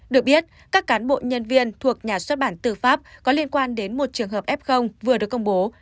được biết các cán bộ nhân viên thuộc nhà xuất bản tư pháp có liên quan đến một trường hợp f vừa được công bố